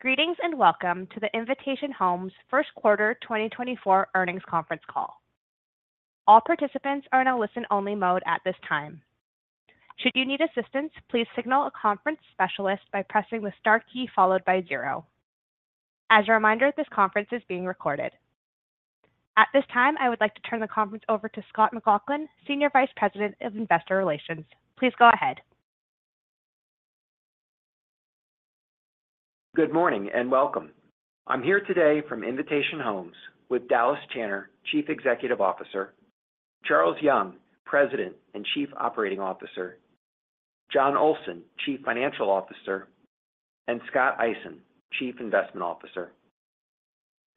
Greetings, and welcome to the Invitation Homes Q1 2024 Earnings Conference Call. All participants are in a listen-only mode at this time. Should you need assistance, please signal a conference specialist by pressing the star key followed by zero. As a reminder, this conference is being recorded. At this time, I would like to turn the conference over to Scott McLaughlin, Senior Vice President of Investor Relations. Please go ahead. Good morning, and welcome. I'm here today from Invitation Homes with Dallas Tanner, Chief Executive Officer, Charles Young, President and Chief Operating Officer, Jon Olsen, Chief Financial Officer, and Scott Eisen, Chief Investment Officer.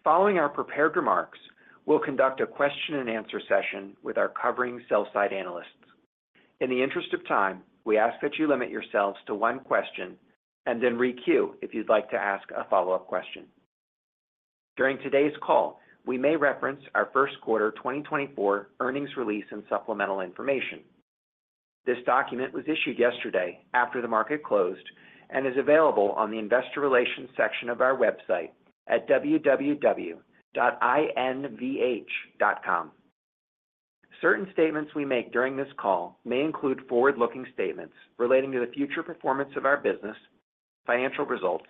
Following our prepared remarks, we'll conduct a question-and-answer session with our covering sell-side analysts. In the interest of time, we ask that you limit yourselves to one question and then re-queue if you'd like to ask a follow-up question. During today's call, we may reference our Q1 2024 earnings release and supplemental information. This document was issued yesterday after the market closed and is available on the Investor Relations section of our website at www.invh.com. Certain statements we make during this call may include forward-looking statements relating to the future performance of our business, financial results,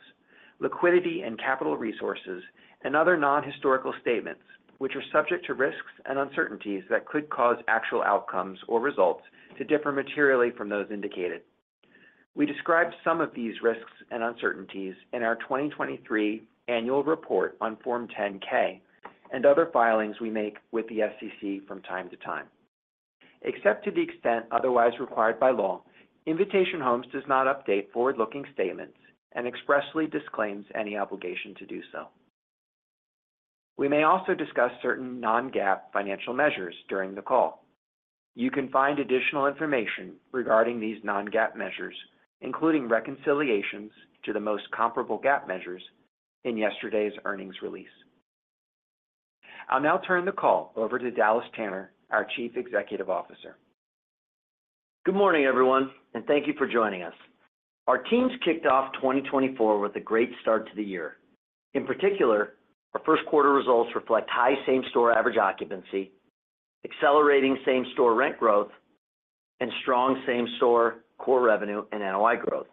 liquidity and capital resources, and other non-historical statements, which are subject to risks and uncertainties that could cause actual outcomes or results to differ materially from those indicated. We described some of these risks and uncertainties in our 2023 Annual Report on Form 10-K and other filings we make with the SEC from time to time. Except to the extent otherwise required by law, Invitation Homes does not update forward-looking statements and expressly disclaims any obligation to do so. We may also discuss certain non-GAAP financial measures during the call. You can find additional information regarding these non-GAAP measures, including reconciliations to the most comparable GAAP measures, in yesterday's earnings release. I'll now turn the call over to Dallas Tanner, our Chief Executive Officer. Good morning, everyone, and thank you for joining us. Our teams kicked off 2024 with a great start to the year. In particular, our Q1 results reflect high same-store average occupancy, accelerating same-store rent growth, and strong same-store core revenue and NOI growth.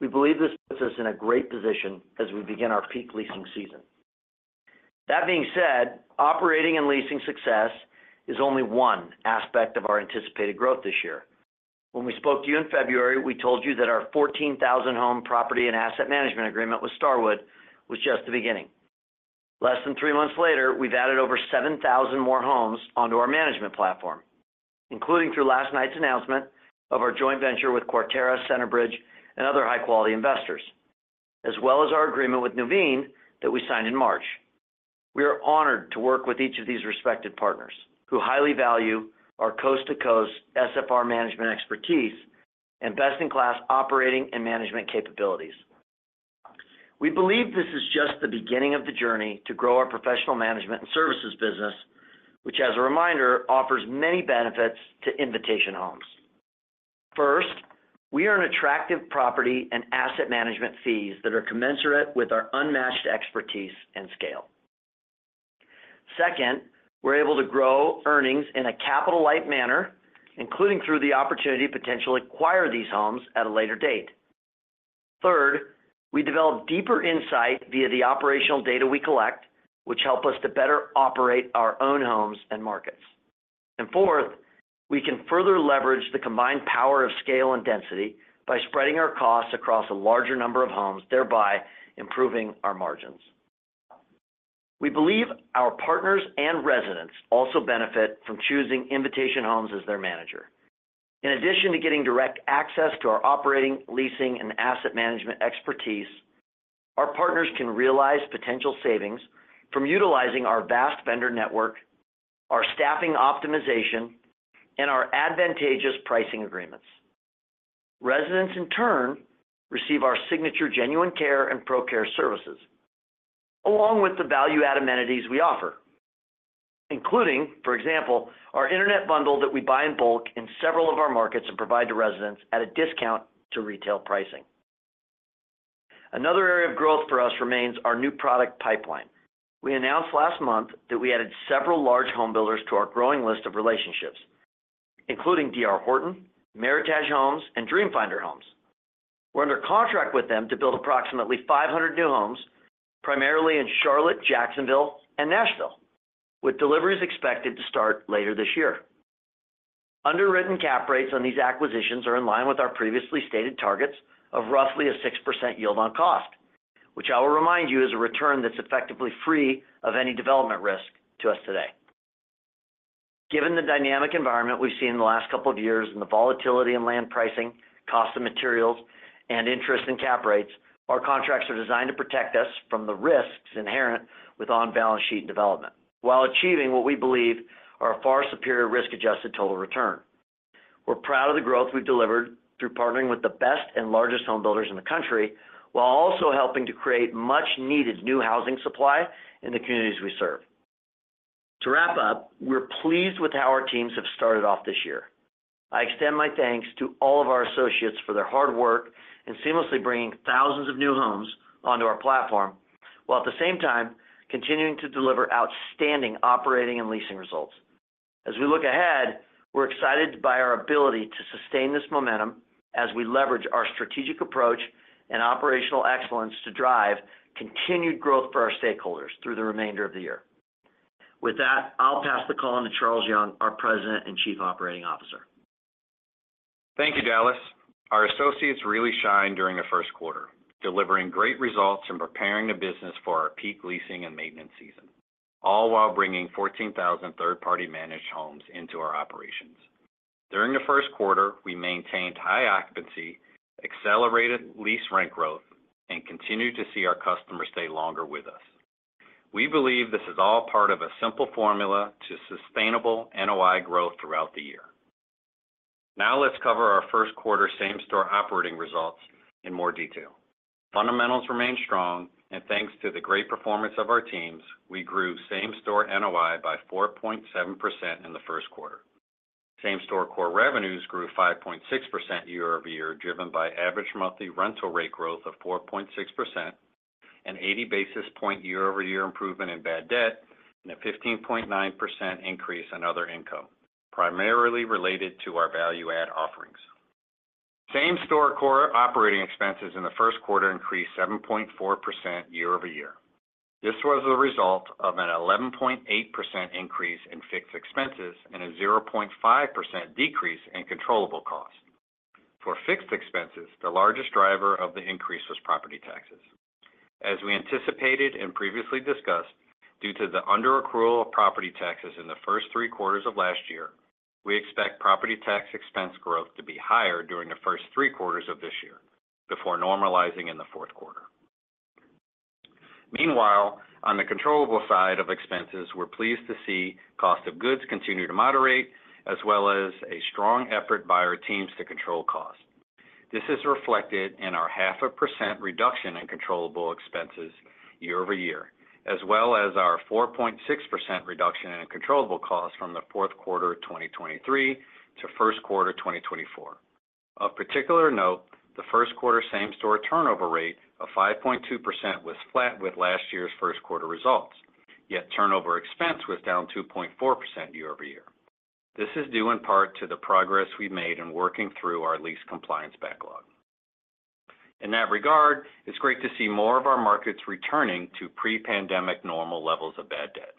We believe this puts us in a great position as we begin our peak leasing season. That being said, operating and leasing success is only one aspect of our anticipated growth this year. When we spoke to you in February, we told you that our 14,000 home property and asset management agreement with Starwood was just the beginning. Less than 3 months later, we've added over 7,000 more homes onto our management platform, including through last night's announcement of our joint venture with Quarterra, Centerbridge, and other high-quality investors, as well as our agreement with Nuveen that we signed in March. We are honored to work with each of these respected partners, who highly value our coast-to-coast SFR management expertise and best-in-class operating and management capabilities. We believe this is just the beginning of the journey to grow our professional management and services business, which, as a reminder, offers many benefits to Invitation Homes. First, we are an attractive property and asset management fees that are commensurate with our unmatched expertise and scale. Second, we're able to grow earnings in a capital-light manner, including through the opportunity to potentially acquire these homes at a later date. Third, we develop deeper insight via the operational data we collect, which help us to better operate our own homes and markets. And fourth, we can further leverage the combined power of scale and density by spreading our costs across a larger number of homes, thereby improving our margins. We believe our partners and residents also benefit from choosing Invitation Homes as their manager. In addition to getting direct access to our operating, leasing, and asset management expertise, our partners can realize potential savings from utilizing our vast vendor network, our staffing optimization, and our advantageous pricing agreements. Residents, in turn, receive our signature Genuine Care and ProCare services, along with the value-add amenities we offer, including, for example, our internet bundle that we buy in bulk in several of our markets and provide to residents at a discount to retail pricing. Another area of growth for us remains our new product pipeline. We announced last month that we added several large home builders to our growing list of relationships, including D.R. Horton, Meritage Homes, and Dream Finders Homes. We're under contract with them to build approximately 500 new homes, primarily in Charlotte, Jacksonville, and Nashville, with deliveries expected to start later this year. Underwritten cap rates on these acquisitions are in line with our previously stated targets of roughly a 6% yield on cost, which I will remind you is a return that's effectively free of any development risk to us today. Given the dynamic environment we've seen in the last couple of years and the volatility in land pricing, cost of materials, and interest in cap rates, our contracts are designed to protect us from the risks inherent with on-balance-sheet development while achieving what we believe are a far superior risk-adjusted total return. We're proud of the growth we've delivered through partnering with the best and largest home builders in the country, while also helping to create much-needed new housing supply in the communities we serve... To wrap up, we're pleased with how our teams have started off this year. I extend my thanks to all of our associates for their hard work in seamlessly bringing thousands of new homes onto our platform, while at the same time continuing to deliver outstanding operating and leasing results. As we look ahead, we're excited by our ability to sustain this momentum as we leverage our strategic approach and operational excellence to drive continued growth for our stakeholders through the remainder of the year. With that, I'll pass the call on to Charles Young, our President and Chief Operating Officer. Thank you, Dallas. Our associates really shined during the Q1, delivering great results and preparing the business for our peak leasing and maintenance season, all while bringing 14,000 third-party managed homes into our operations. During the Q1, we maintained high occupancy, accelerated lease rent growth, and continued to see our customers stay longer with us. We believe this is all part of a simple formula to sustainable NOI growth throughout the year. Now let's cover our Q1 same-store operating results in more detail. Fundamentals remain strong, and thanks to the great performance of our teams, we grew same-store NOI by 4.7% in the Q1. Same-store core revenues grew 5.6% year-over-year, driven by average monthly rental rate growth of 4.6%, an 80 basis point year-over-year improvement in bad debt, and a 15.9% increase in other income, primarily related to our value add offerings. Same-store core operating expenses in the Q1 increased 7.4% year-over-year. This was a result of an 11.8% increase in fixed expenses and a 0.5% decrease in controllable costs. For fixed expenses, the largest driver of the increase was property taxes. As we anticipated and previously discussed, due to the underaccrual of property taxes in the first three Qs of last year, we expect property tax expense growth to be higher during the first three Qs of this year, before normalizing in the Q4. Meanwhile, on the controllable side of expenses, we're pleased to see cost of goods continue to moderate, as well as a strong effort by our teams to control costs. This is reflected in our 0.5% reduction in controllable expenses year-over-year, as well as our 4.6% reduction in controllable costs from the Q4 of 2023 to Q1 2024. Of particular note, the Q1 same-store turnover rate of 5.2% was flat with last year's Q1 results, yet turnover expense was down 2.4% year-over-year. This is due in part to the progress we've made in working through our lease compliance backlog. In that regard, it's great to see more of our markets returning to pre-pandemic normal levels of bad debt.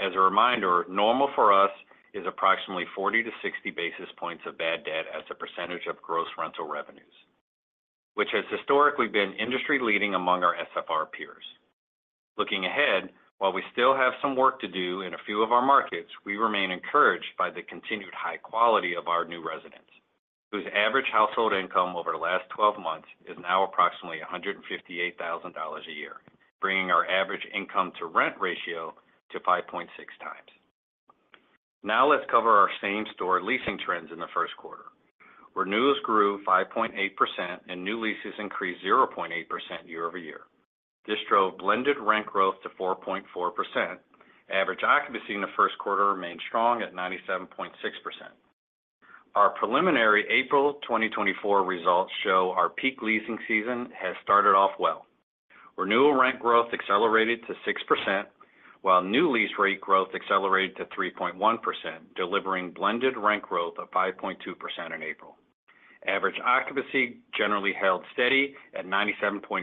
As a reminder, normal for us is approximately 40-60 basis points of bad debt as a percentage of gross rental revenues, which has historically been industry-leading among our SFR peers. Looking ahead, while we still have some work to do in a few of our markets, we remain encouraged by the continued high quality of our new residents, whose average household income over the last 12 months is now approximately $158,000 a year, bringing our average income to rent ratio to 5.6x. Now let's cover our same-store leasing trends in the Q1. Renewals grew 5.8%, and new leases increased 0.8% year-over-year. This drove blended rent growth to 4.4%. Average occupancy in the Q1 remained strong at 97.6%. Our preliminary April 2024 results show our peak leasing season has started off well. Renewal rent growth accelerated to 6%, while new lease rate growth accelerated to 3.1%, delivering blended rent growth of 5.2% in April. Average occupancy generally held steady at 97.5%.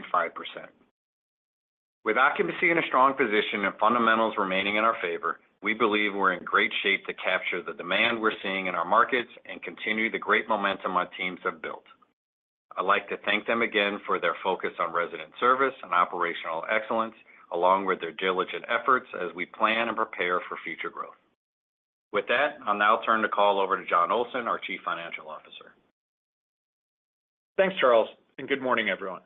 With occupancy in a strong position and fundamentals remaining in our favor, we believe we're in great shape to capture the demand we're seeing in our markets and continue the great momentum our teams have built. I'd like to thank them again for their focus on resident service and operational excellence, along with their diligent efforts as we plan and prepare for future growth. With that, I'll now turn the call over to Jon Olsen, our Chief Financial Officer. Thanks, Charles, and good morning, everyone.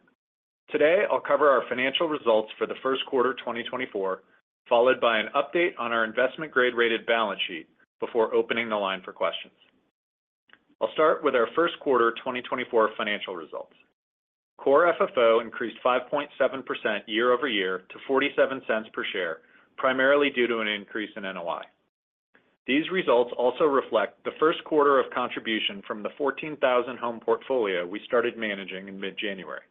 Today, I'll cover our financial results for the Q1 2024, followed by an update on our investment grade-rated balance sheet before opening the line for questions. I'll start with our Q1 2024 financial results. Core FFO increased 5.7% year-over-year to $0.47 per share, primarily due to an increase in NOI. These results also reflect the Q1 of contribution from the 14,000-home portfolio we started managing in mid-January.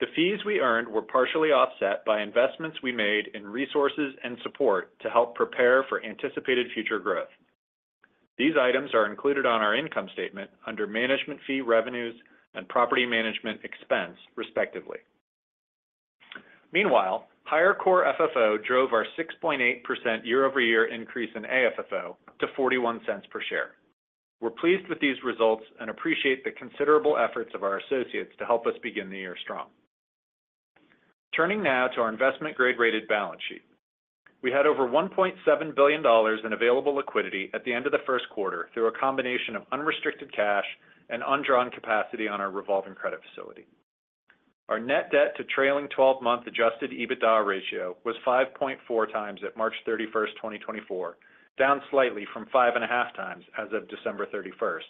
The fees we earned were partially offset by investments we made in resources and support to help prepare for anticipated future growth. These items are included on our income statement under Management Fee Revenues and Property Management Expense, respectively. Meanwhile, higher core FFO drove our 6.8% year-over-year increase in AFFO to $0.41 per share. We're pleased with these results and appreciate the considerable efforts of our associates to help us begin the year strong. Turning now to our investment grade-rated balance sheet. We had over $1.7 billion in available liquidity at the end of the Q1 through a combination of unrestricted cash and undrawn capacity on our revolving credit facility. Our net debt to trailing-twelve-month Adjusted EBITDA ratio was 5.4x at March 31, 2024, down slightly from 5.5x as of December 31,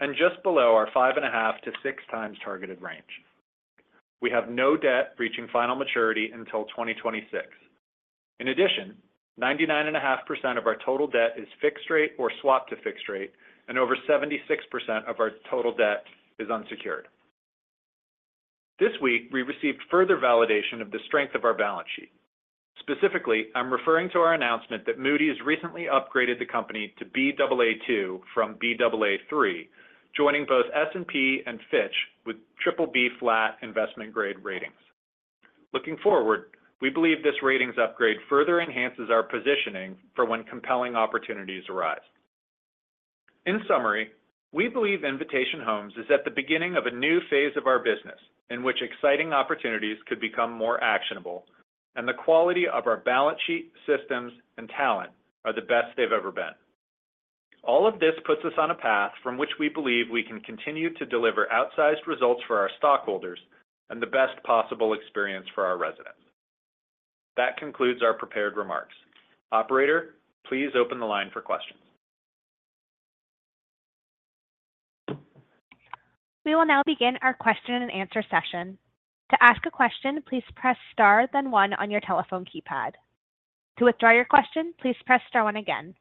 and just below our 5.5x-6x targeted range. We have no debt reaching final maturity until 2026. In addition, 99.5% of our total debt is fixed rate or swapped to fixed rate, and over 76% of our total debt is unsecured. This week, we received further validation of the strength of our balance sheet. Specifically, I'm referring to our announcement that Moody's recently upgraded the company to Baa2 from Baa3, joining both S&P and Fitch with triple B flat investment grade ratings. Looking forward, we believe this ratings upgrade further enhances our positioning for when compelling opportunities arise. In summary, we believe Invitation Homes is at the beginning of a new phase of our business, in which exciting opportunities could become more actionable, and the quality of our balance sheet, systems, and talent are the best they've ever been. All of this puts us on a path from which we believe we can continue to deliver outsized results for our stockholders and the best possible experience for our residents. That concludes our prepared remarks. Operator, please open the line for questions. We will now begin our question and answer session. To ask a question, please press star, then one on your telephone keypad. To withdraw your question, please press star one again.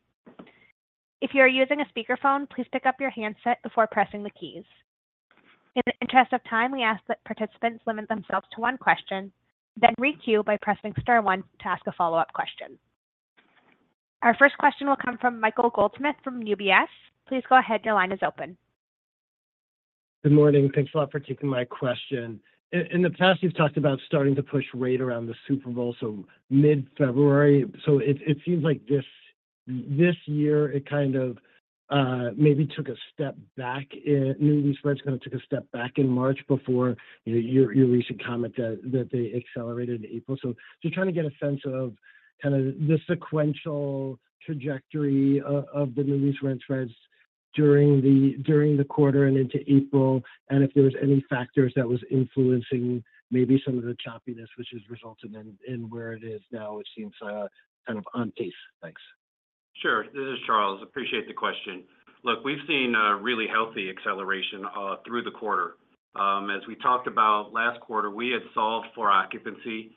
If you are using a speakerphone, please pick up your handset before pressing the keys. In the interest of time, we ask that participants limit themselves to one question, then re-queue by pressing star one to ask a follow-up question. Our first question will come from Michael Goldsmith from UBS. Please go ahead. Your line is open. Good morning. Thanks a lot for taking my question. In the past, you've talked about starting to push rate around the Super Bowl, so mid-February. So it seems like this year, it kind of maybe took a step back in new lease rates kind of took a step back in March before your recent comment that they accelerated in April. So just trying to get a sense of kind of the sequential trajectory of the new lease rent trends during the quarter and into April, and if there was any factors that was influencing maybe some of the choppiness which has resulted in where it is now, it seems kind of on pace. Thanks. Sure. This is Charles. Appreciate the question. Look, we've seen a really healthy acceleration through the quarter. As we talked about last quarter, we had solved for occupancy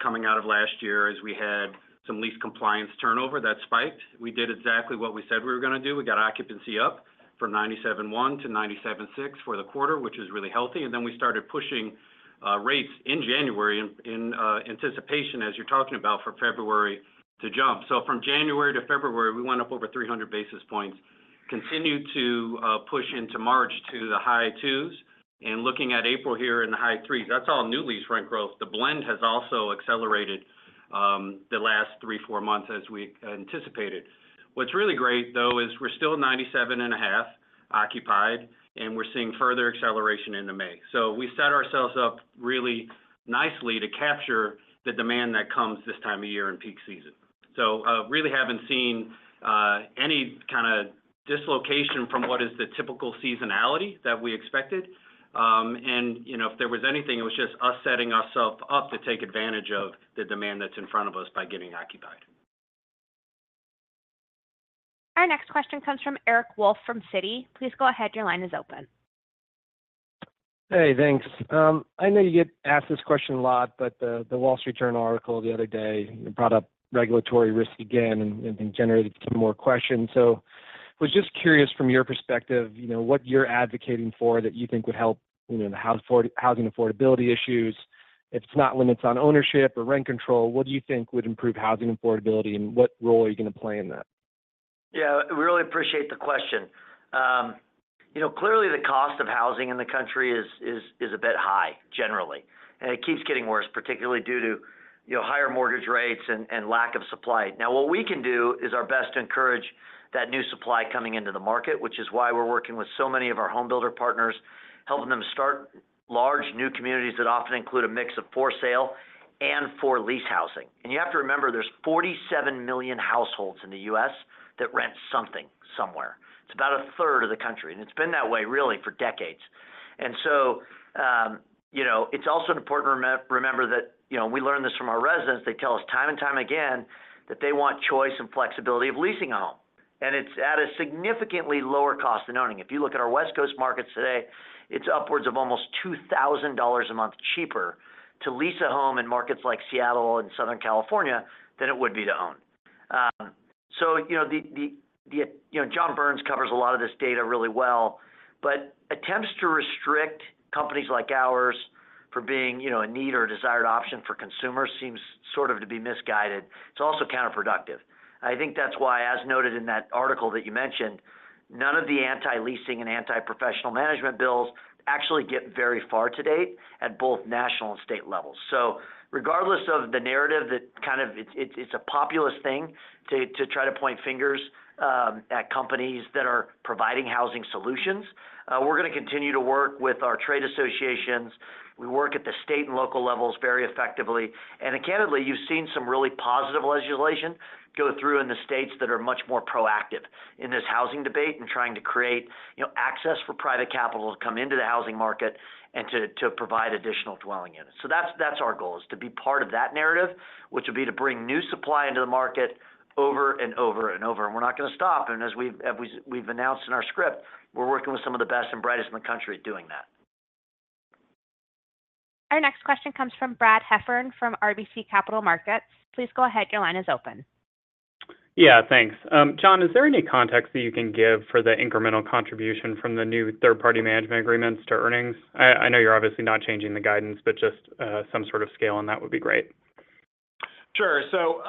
coming out of last year as we had some lease compliance turnover that spiked. We did exactly what we said we were gonna do. We got occupancy up from 97.1 to 97.6 for the quarter, which is really healthy, and then we started pushing rates in January in anticipation, as you're talking about, for February to jump. So from January to February, we went up over 300 basis points, continued to push into March to the high 2s, and looking at April here in the high 3s. That's all new lease rent growth. The blend has also accelerated the last three, four months as we anticipated. What's really great, though, is we're still 97.5 occupied, and we're seeing further acceleration into May. So we set ourselves up really nicely to capture the demand that comes this time of year in peak season. So, really haven't seen any kinda dislocation from what is the typical seasonality that we expected. And, you know, if there was anything, it was just us setting ourself up to take advantage of the demand that's in front of us by getting occupied. Our next question comes from Eric Wolfe from Citi. Please go ahead. Your line is open. Hey, thanks. I know you get asked this question a lot, but the Wall Street Journal article the other day brought up regulatory risk again and generated some more questions. So was just curious, from your perspective, you know, what you're advocating for, that you think would help, you know, the housing affordability issues. If it's not limits on ownership or rent control, what do you think would improve housing affordability, and what role are you going to play in that? Yeah, I really appreciate the question. You know, clearly, the cost of housing in the country is a bit high, generally, and it keeps getting worse, particularly due to, you know, higher mortgage rates and lack of supply. Now, what we can do is our best to encourage that new supply coming into the market, which is why we're working with so many of our home builder partners, helping them start large new communities that often include a mix of for-sale and for-lease housing. And you have to remember, there's 47 million households in the US that rent something, somewhere. It's about 1/3 of the country, and it's been that way, really, for decades. It's also important remember that, you know, we learned this from our residents, they tell us time and time again that they want choice and flexibility of leasing a home. It's at a significantly lower cost than owning. If you look at our West Coast markets today, it's upwards of almost $2,000 a month cheaper to lease a home in markets like Seattle and Southern California than it would be to own. So you know, John Burns covers a lot of this data really well, but attempts to restrict companies like ours for being, you know, a need or a desired option for consumers seems sort of to be misguided. It's also counterproductive. I think that's why, as noted in that article that you mentioned, none of the anti-leasing and anti-professional management bills actually get very far to date at both national and state levels. So regardless of the narrative, that kind of it's a populist thing to try to point fingers at companies that are providing housing solutions. We're gonna continue to work with our trade associations. We work at the state and local levels very effectively, and candidly, you've seen some really positive legislation go through in the states that are much more proactive in this housing debate and trying to create, you know, access for private capital to come into the housing market and to provide additional dwelling units. So that's our goal, is to be part of that narrative, which would be to bring new supply into the market over and over and over. We're not gonna stop. And as we've announced in our script, we're working with some of the best and brightest in the country doing that. Our next question comes from Brad Heffern from RBC Capital Markets. Please go ahead. Your line is open. Yeah, thanks. Jon, is there any context that you can give for the incremental contribution from the new third-party management agreements to earnings? I know you're obviously not changing the guidance, but just some sort of scale on that would be great. Sure. So,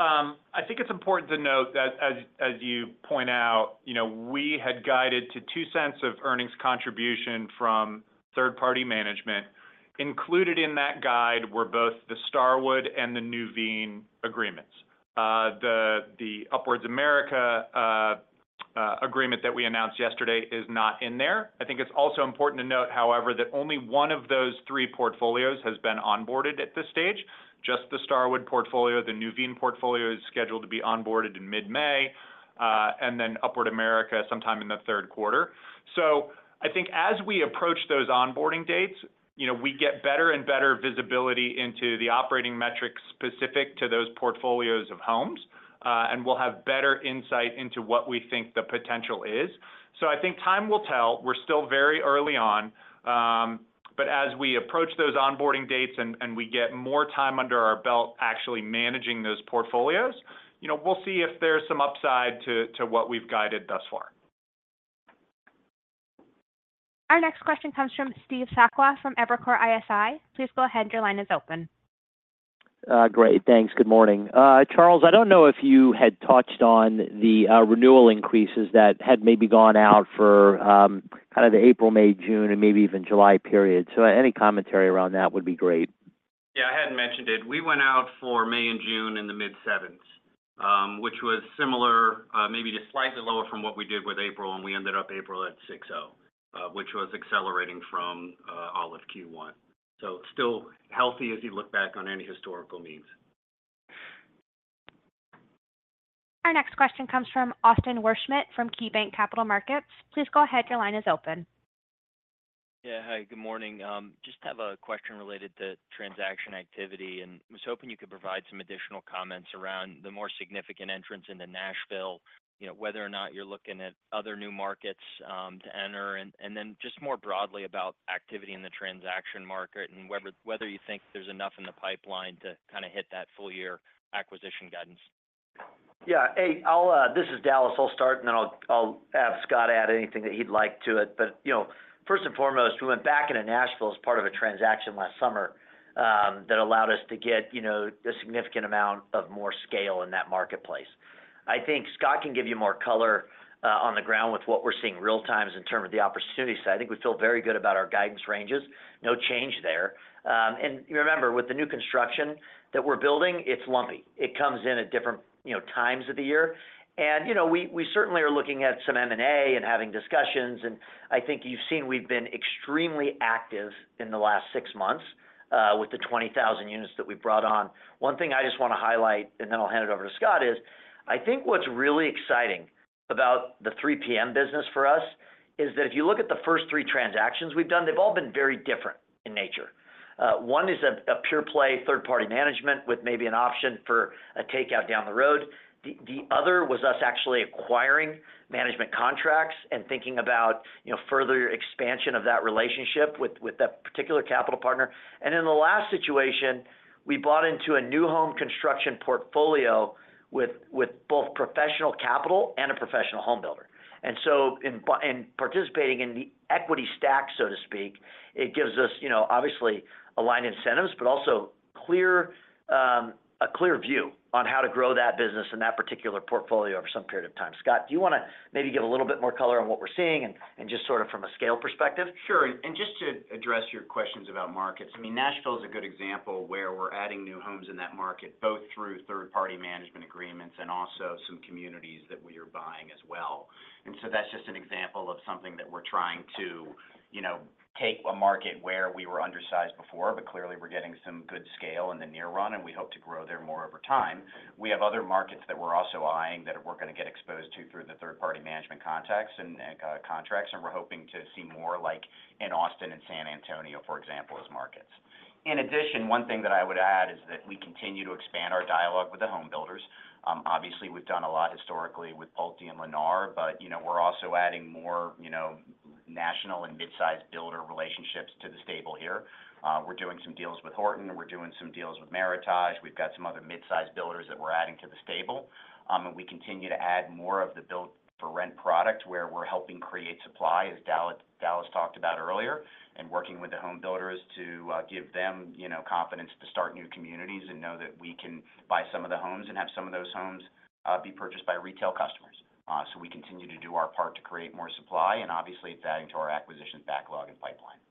I think it's important to note that as, as you point out, you know, we had guided to $0.02 of earnings contribution from third-party management. Included in that guide were both the Starwood and the Nuveen agreements. The Upward America agreement that we announced yesterday is not in there. I think it's also important to note, however, that only one of those three portfolios has been onboarded at this stage, just the Starwood portfolio. The Nuveen portfolio is scheduled to be onboarded in mid-May, and then Upward America, sometime in the Q3. So I think as we approach those onboarding dates, you know, we get better and better visibility into the operating metrics specific to those portfolios of homes, and we'll have better insight into what we think the potential is. So I think time will tell. We're still very early on, but as we approach those onboarding dates and we get more time under our belt, actually managing those portfolios, you know, we'll see if there's some upside to what we've guided thus far. Our next question comes from Steve Sakwa from Evercore ISI. Please go ahead. Your line is open. Great, thanks. Good morning. Charles, I don't know if you had touched on the renewal increases that had maybe gone out for kind of the April, May, June, and maybe even July period. So any commentary around that would be great. Yeah, I hadn't mentioned it. We went out for May and June in the mid-7s, which was similar, maybe just slightly lower from what we did with April, and we ended up April at 6.0, which was accelerating from all of. So still healthy as you look back on any historical means. Our next question comes from Austin Wurschmidt, from KeyBanc Capital Markets. Please go ahead. Your line is open. Yeah. Hi, good morning. Just have a question related to transaction activity, and I was hoping you could provide some additional comments around the more significant entrants into Nashville, you know, whether or not you're looking at other new markets to enter, and then just more broadly about activity in the transaction market and whether you think there's enough in the pipeline to kind of hit that full year acquisition guidance. Yeah, hey, I'll... This is Dallas. I'll start, and then I'll have Scott add anything that he'd like to it. But, you know, first and foremost, we went back into Nashville as part of a transaction last summer that allowed us to get, you know, a significant amount of more scale in that marketplace. I think Scott can give you more color on the ground with what we're seeing real time in terms of the opportunity set. I think we feel very good about our guidance ranges. No change there. And remember, with the new construction that we're building, it's lumpy. It comes in at different, you know, times of the year. You know, we certainly are looking at some M&A and having discussions, and I think you've seen, we've been extremely active in the last six months with the 20,000 units that we brought on. One thing I just want to highlight, and then I'll hand it over to Scott, is, I think what's really exciting about the 3PM business for us is that if you look at the first three transactions we've done, they've all been very different in nature. One is a pure play, third-party management with maybe an option for a takeout down the road. The other was us actually acquiring management contracts and thinking about, you know, further expansion of that relationship with that particular capital partner. And in the last situation, we bought into a new home construction portfolio with both professional capital and a professional home builder. And so in participating in the equity stack, so to speak, it gives us, you know, obviously aligned incentives, but also clear, a clear view on how to grow that business in that particular portfolio over some period of time. Scott, do you want to maybe give a little bit more color on what we're seeing and just sort of from a scale perspective? Sure. And just to address your questions about markets, I mean, Nashville is a good example where we're adding new homes in that market, both through third-party management agreements and also some communities that we are buying as well. And so that's just an example of something that we're trying to, you know, take a market where we were undersized before, but clearly we're getting some good scale in the near run, and we hope to grow there more over time. We have other markets that we're also eyeing that we're gonna get exposed to through the third-party management contacts and contracts, and we're hoping to see more, like in Austin and San Antonio, for example, as markets. In addition, one thing that I would add is that we continue to expand our dialogue with the home builders. Obviously, we've done a lot historically with Pulte and Lennar, but, you know, we're also adding more, you know, national and mid-sized builder relationships to the stable here. We're doing some deals with Horton, we're doing some deals with Meritage. We've got some other mid-sized builders that we're adding to the stable. And we continue to add more of the build-for-rent product, where we're helping create supply, as Dallas talked about earlier, and working with the home builders to give them, you know, confidence to start new communities and know that we can buy some of the homes and have some of those homes be purchased by retail customers. So we continue to do our part to create more supply, and obviously, it's adding to our acquisition backlog and pipeline.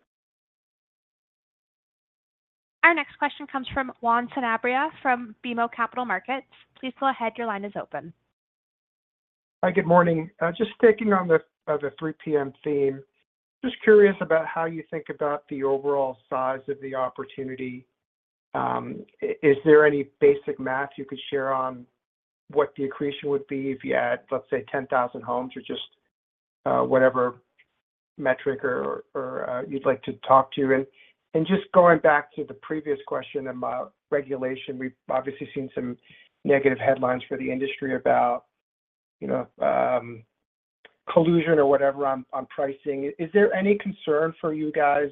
Our next question comes from Juan Sanabria from BMO Capital Markets. Please go ahead. Your line is open. Hi, good morning. Just sticking on the, the 3PM theme, just curious about how you think about the overall size of the opportunity. Is there any basic math you could share on what the accretion would be if you add, let's say, 10,000 homes or just, whatever metric or you'd like to talk to? And just going back to the previous question about regulation, we've obviously seen some negative headlines for the industry about, you know, collusion or whatever on, on pricing. Is there any concern for you guys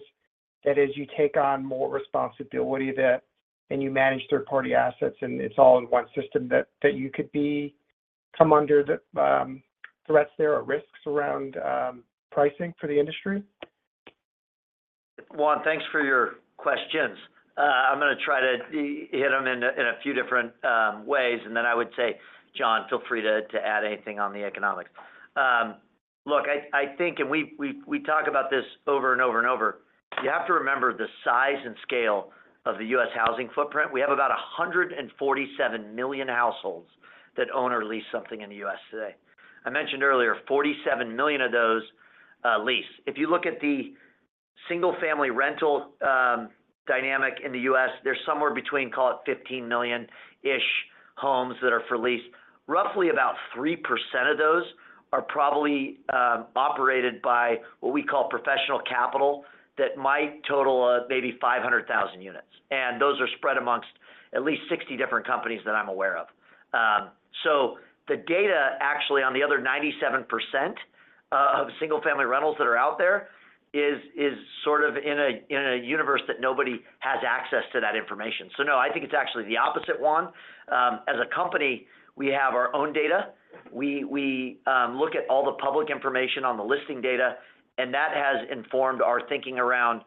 that as you take on more responsibility, that, and you manage third-party assets, and it's all in one system, that, that you could become under the threats there or risks around pricing for the industry? Juan, thanks for your questions. I'm going to try to hit them in a few different ways, and then I would say, John, feel free to add anything on the economics. Look, I think, and we talk about this over and over and over, you have to remember the size and scale of the U.S. housing footprint. We have about 147 million households that own or lease something in the U.S. today. I mentioned earlier, 47 million of those lease. If you look at the single-family rental dynamic in the U.S., there's somewhere between, call it 15 million-ish homes that are for lease. Roughly about 3% of those are probably operated by what we call professional capital, that might total maybe 500,000 units, and those are spread amongst at least 60 different companies that I'm aware of. So the data, actually, on the other 97% of single-family rentals that are out there is sort of in a universe that nobody has access to that information. So no, I think it's actually the opposite, Juan. As a company, we have our own data. We look at all the public information on the listing data, and that has informed our thinking around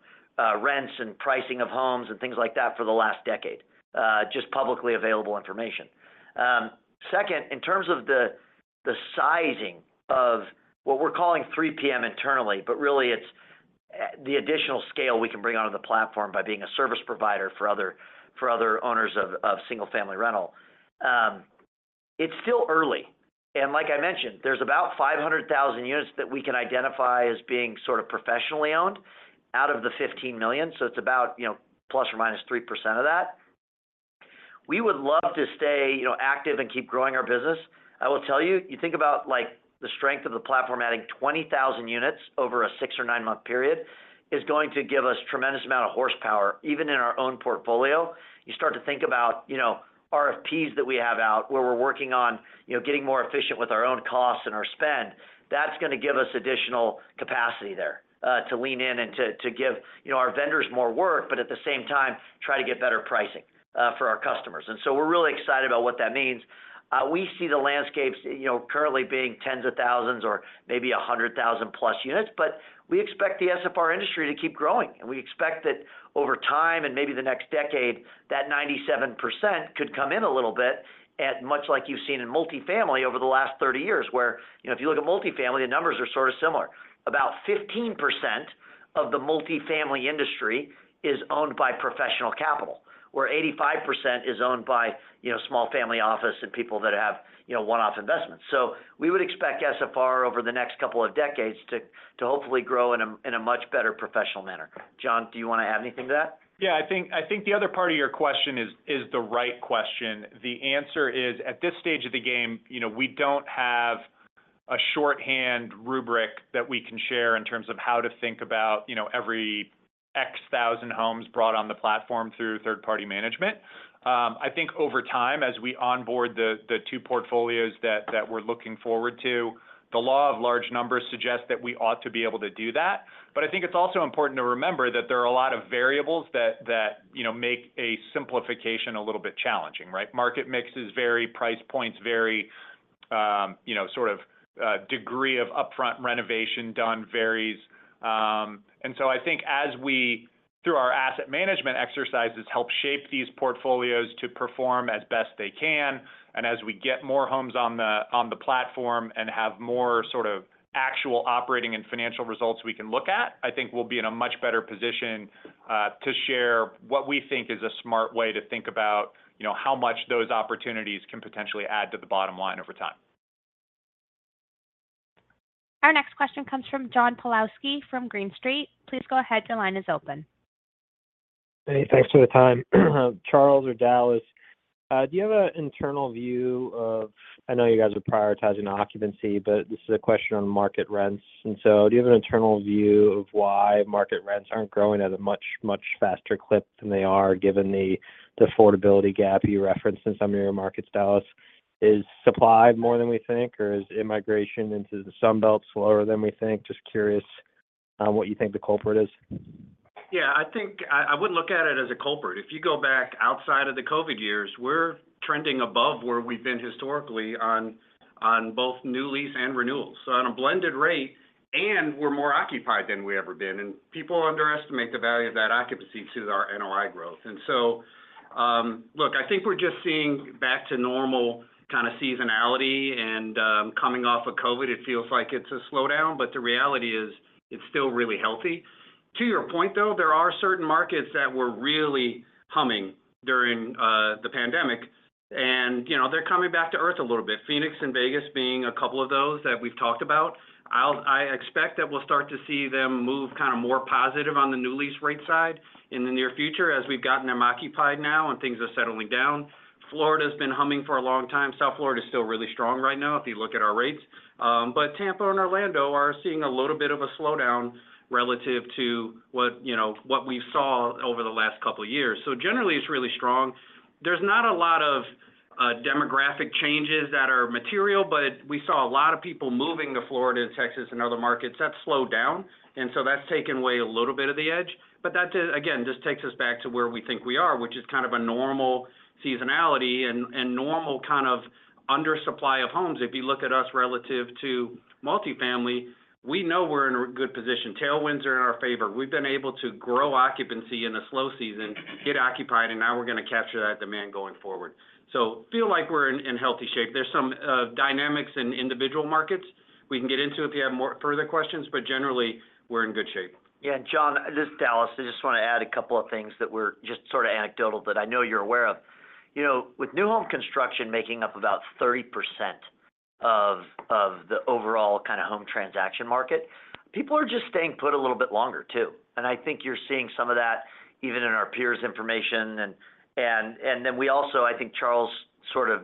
rents and pricing of homes and things like that for the last decade, just publicly available information. Second, in terms of the sizing of what we're calling 3PM internally, but really it's the additional scale we can bring onto the platform by being a service provider for other owners of single-family rental. It's still early, and like I mentioned, there's about 500,000 units that we can identify as being sort of professionally owned out of the 15 million. So it's about, you know, ±3% of that. We would love to stay, you know, active and keep growing our business. I will tell you, you think about, like, the strength of the platform, adding 20,000 units over a 6- or 9-month period, is going to give us tremendous amount of horsepower, even in our own portfolio. You start to think about, you know, RFPs that we have out, where we're working on, you know, getting more efficient with our own costs and our spend. That's going to give us additional capacity there to lean in and to give, you know, our vendors more work, but at the same time, try to get better pricing for our customers. And so we're really excited about what that means. We see the landscapes, you know, currently being tens of thousands or maybe a 100,000+ units, but we expect the SFR industry to keep growing. And we expect that over time and maybe the next decade, that 97% could come in a little bit, at much like you've seen in multifamily over the last 30 years, where, you know, if you look at multifamily, the numbers are sort of similar. About 15% of the multifamily industry is owned by professional capital, where 85% is owned by, you know, small family office and people that have, you know, one-off investments. So we would expect SFR over the next couple of decades to, to hopefully grow in a, in a much better professional manner. John, do you want to add anything to that? Yeah, I think the other part of your question is the right question. The answer is, at this stage of the game, you know, we don't have a shorthand rubric that we can share in terms of how to think about, you know, every X thousand homes brought on the platform through third-party management. I think over time, as we onboard the two portfolios that we're looking forward to, the law of large numbers suggests that we ought to be able to do that. But I think it's also important to remember that there are a lot of variables that, you know, make a simplification a little bit challenging, right? Market mixes vary, price points vary, you know, sort of degree of upfront renovation done varies. And so I think as we, through our asset management exercises, help shape these portfolios to perform as best they can, and as we get more homes on the platform and have more sort of actual operating and financial results we can look at, I think we'll be in a much better position to share what we think is a smart way to think about, you know, how much those opportunities can potentially add to the bottom line over time. Our next question comes from John Pawlowski from Green Street. Please go ahead. Your line is open. Hey, thanks for the time. Charles or Dallas, do you have an internal view of... I know you guys are prioritizing occupancy, but this is a question on market rents, and so do you have an internal view of why market rents aren't growing at a much, much faster clip than they are, given the affordability gap you referenced in some of your markets, Dallas? Is supply more than we think, or is immigration into the Sun Belt slower than we think? Just curious, what you think the culprit is. Yeah, I think I wouldn't look at it as a culprit. If you go back outside of the COVID years, we're trending above where we've been historically on both new lease and renewals. So on a blended rate, and we're more occupied than we've ever been, and people underestimate the value of that occupancy to our NOI growth. And so, look, I think we're just seeing back to normal kind of seasonality and, coming off of COVID, it feels like it's a slowdown, but the reality is, it's still really healthy. To your point, though, there are certain markets that were really humming during the pandemic, and, you know, they're coming back to Earth a little bit. Phoenix and Vegas being a couple of those that we've talked about. I expect that we'll start to see them move kind of more positive on the new lease rate side in the near future, as we've gotten them occupied now and things are settling down. Florida's been humming for a long time. South Florida is still really strong right now, if you look at our rates. But Tampa and Orlando are seeing a little bit of a slowdown relative to what, you know, what we saw over the last couple of years. So generally, it's really strong. There's not a lot of demographic changes that are material, but we saw a lot of people moving to Florida and Texas and other markets. That's slowed down, and so that's taken away a little bit of the edge. But that, again, just takes us back to where we think we are, which is kind of a normal seasonality and normal kind of under supply of homes. If you look at us relative to multifamily, we know we're in a good position. Tailwinds are in our favor. We've been able to grow occupancy in a slow season, get occupied, and now we're going to capture that demand going forward. So feel like we're in healthy shape. There's some dynamics in individual markets we can get into if you have more further questions, but generally, we're in good shape. Yeah, Jon, this is Dallas. I just want to add a couple of things that were just sort of anecdotal that I know you're aware of. You know, with new home construction making up about 30% of the overall kind of home transaction market, people are just staying put a little bit longer, too. I think you're seeing some of that even in our peers' information. And then we also, I think Charles sort of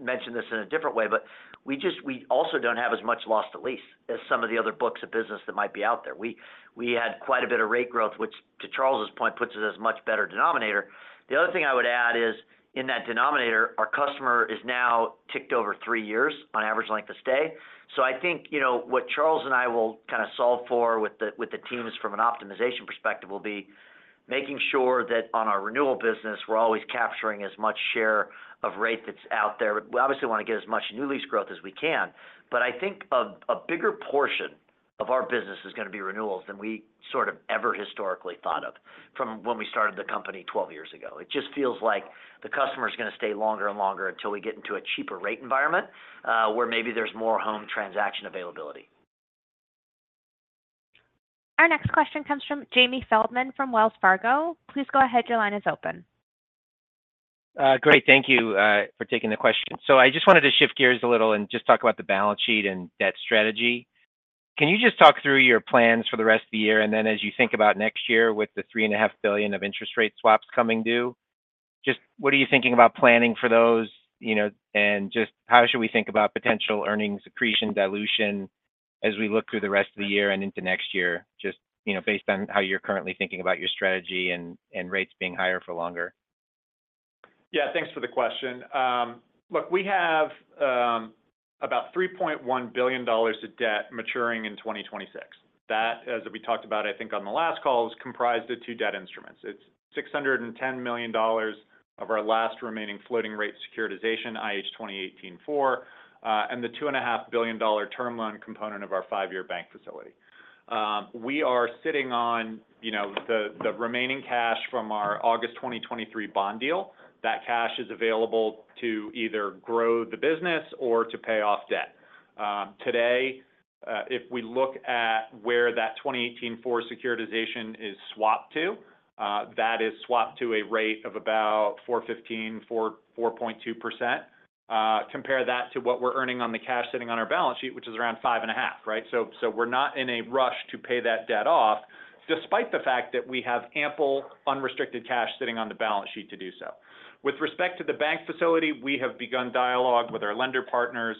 mentioned this in a different way, but we just, we also don't have as much loss to lease as some of the other books of business that might be out there. We had quite a bit of rate growth, which, to Charles's point, puts it as a much better denominator. The other thing I would add is, in that denominator, our customer is now ticked over three years on average length of stay. So I think, you know, what Charles and I will kind of solve for with the teams from an optimization perspective will be making sure that on our renewal business, we're always capturing as much share of rate that's out there. We obviously want to get as much new lease growth as we can, but I think a bigger portion of our business is going to be renewals than we sort of ever historically thought of from when we started the company 12 years ago. It just feels like the customer is going to stay longer and longer until we get into a cheaper rate environment, where maybe there's more home transaction availability. Our next question comes from Jamie Feldman from Wells Fargo. Please go ahead. Your line is open. Great. Thank you for taking the question. So I just wanted to shift gears a little and just talk about the balance sheet and debt strategy. Can you just talk through your plans for the rest of the year? And then as you think about next year, with the $3.5 billion of interest rate swaps coming due, just what are you thinking about planning for those, you know, and just how should we think about potential earnings, accretion, dilution, as we look through the rest of the year and into next year, just, you know, based on how you're currently thinking about your strategy and, and rates being higher for longer? Yeah, thanks for the question. Look, we have about $3.1 billion of debt maturing in 2026. That, as we talked about, I think on the last call, is comprised of two debt instruments. It's $610 million of our last remaining floating rate securitization, IH 2018-4, and the $2.5 billion term loan component of our five-year bank facility. We are sitting on, you know, the remaining cash from our August 2023 bond deal. That cash is available to either grow the business or to pay off debt. Today, if we look at where that 2018-4 securitization is swapped to, that is swapped to a rate of about 4.2%. Compare that to what we're earning on the cash sitting on our balance sheet, which is around 5.5, right? So, we're not in a rush to pay that debt off, despite the fact that we have ample unrestricted cash sitting on the balance sheet to do so. With respect to the bank facility, we have begun dialogue with our lender partners.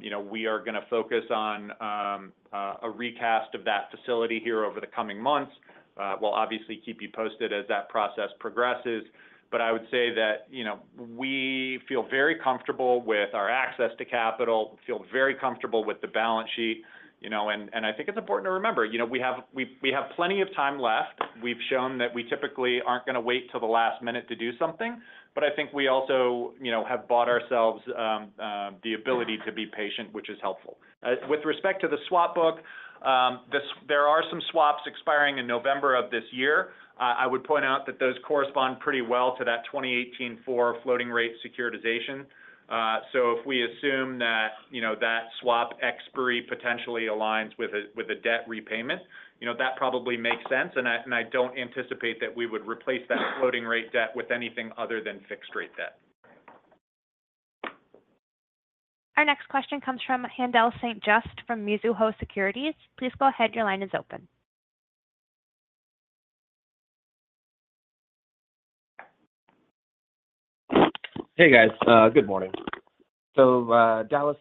You know, we are going to focus on a recast of that facility here over the coming months. We'll obviously keep you posted as that process progresses. But I would say that, you know, we feel very comfortable with our access to capital, feel very comfortable with the balance sheet, you know, and I think it's important to remember, you know, we have plenty of time left. We've shown that we typically aren't going to wait till the last minute to do something, but I think we also, you know, have bought ourselves the ability to be patient, which is helpful. With respect to the swap book, there are some swaps expiring in November of this year. I would point out that those correspond pretty well to that 2018-4 floating rate securitization. So if we assume that, you know, that swap expiry potentially aligns with a debt repayment, you know, that probably makes sense, and I don't anticipate that we would replace that floating rate debt with anything other than fixed-rate debt. Our next question comes from Haendel St. Juste from Mizuho Securities. Please go ahead. Your line is open. Hey, guys. Good morning. So, Dallas,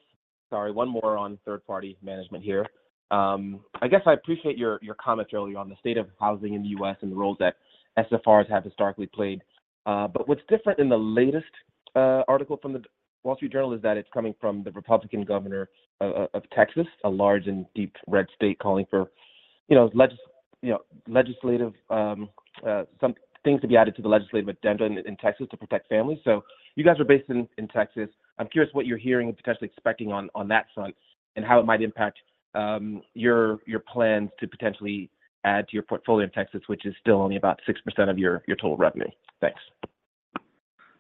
sorry, one more on third-party management here. I guess I appreciate your comments earlier on the state of housing in the U.S. and the roles that SFRs have historically played. But what's different in the latest article from the Wall Street Journal is that it's coming from the Republican governor of Texas, a large and deep red state, calling for, you know, legislative, some things to be added to the legislative agenda in Texas to protect families. So you guys are based in Texas. I'm curious what you're hearing and potentially expecting on that front and how it might impact your plans to potentially add to your portfolio in Texas, which is still only about 6% of your total revenue. Thanks.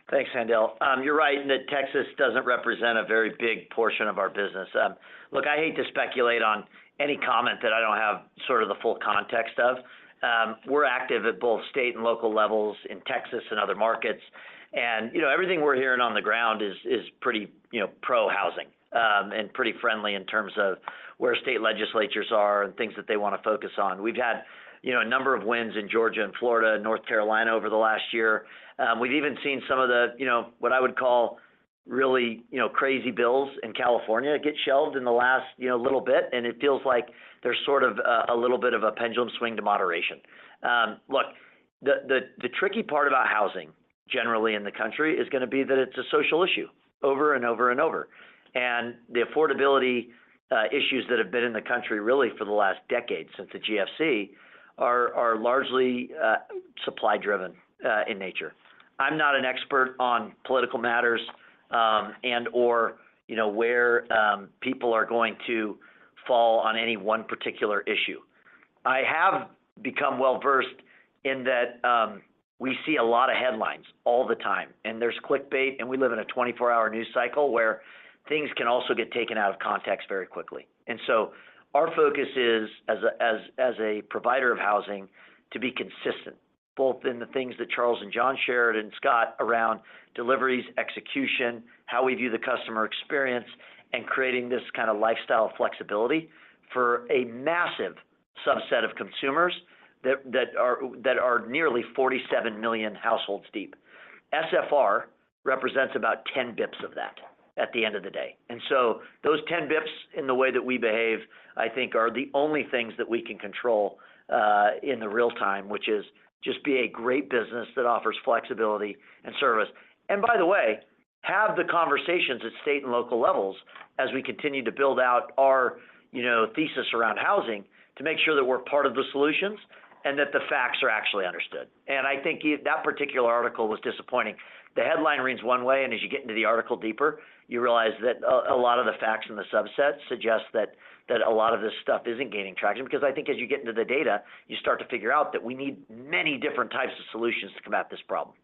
Thanks, Haendel. You're right in that Texas doesn't represent a very big portion of our business. Look, I hate to speculate on any comment that I don't have sort of the full context of. We're active at both state and local levels in Texas and other markets. And, you know, everything we're hearing on the ground is pretty, you know, pro-housing, and pretty friendly in terms of where state legislatures are and things that they want to focus on. We've had, you know, a number of wins in Georgia and Florida, North Carolina over the last year. We've even seen some of the, you know, what I would call really, you know, crazy bills in California get shelved in the last, you know, little bit, and it feels like there's sort of a little bit of a pendulum swing to moderation. Look, the tricky part about housing generally in the country is going to be that it's a social issue over and over and over. The affordability issues that have been in the country, really for the last decade, since the GFC, are largely supply driven in nature. I'm not an expert on political matters, and/or, you know, where people are going to fall on any one particular issue.... I have become well-versed in that, we see a lot of headlines all the time, and there's clickbait, and we live in a 24-hour news cycle where things can also get taken out of context very quickly. Our focus is, as a provider of housing, to be consistent, both in the things that Charles and Jon shared, and Scott, around deliveries, execution, how we view the customer experience, and creating this kind of lifestyle flexibility for a massive subset of consumers that are nearly 47 million households deep. SFR represents about 10 bps of that at the end of the day. And so those 10 bps in the way that we behave, I think, are the only things that we can control in real time, which is just be a great business that offers flexibility and service. And by the way, have the conversations at state and local levels as we continue to build out our, you know, thesis around housing to make sure that we're part of the solutions and that the facts are actually understood. And I think that particular article was disappointing. The headline reads one way, and as you get into the article deeper, you realize that a lot of the facts in the subset suggest that a lot of this stuff isn't gaining traction, because I think as you get into the data, you start to figure out that we need many different types of solutions to combat this problem.